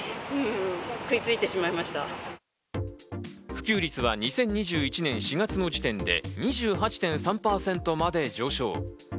普及率は２０２１年４月の時点で２８．３％まで上昇。